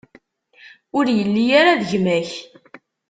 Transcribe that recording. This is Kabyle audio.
Ur yelli ara d gma-k.